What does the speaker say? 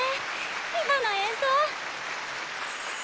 今の演奏！